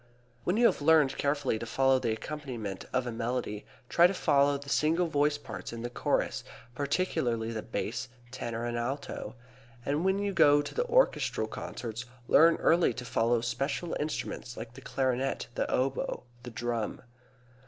When you have learned carefully to follow the accompaniment of a melody, try to follow the single voice parts in the chorus, particularly the Bass, Tenor, and Alto. And when you go to orchestral concerts learn early to follow special instruments like the clarinet, the oboe, the drum.